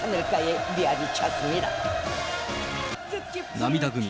涙ぐみ、